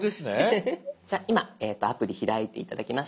じゃあ今アプリ開いて頂きました。